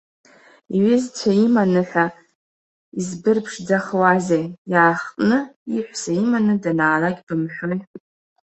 Иҩызцәа иманы ҳәа, избырԥшӡахуазеи, иаахтны, иҳәса иманы данаалак бымҳәои.